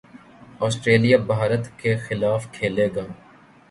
Australia Bharat کے خلاف کھیلے گا